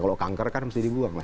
kalau kanker kan harus dibuang